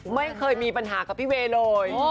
ไม่เคยมีปัญหากับพี่เวย์เลย